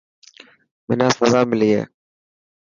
منا سزا ملي هي.